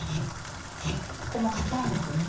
ここも硬いのでね